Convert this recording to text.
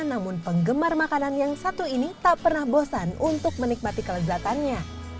namun penggemar makanan yang satu ini tak pernah bosan untuk menikmati kelezatannya